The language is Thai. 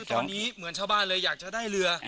ตอนนี้เหมือนชาวบ้านเลยอยากจะได้เรือ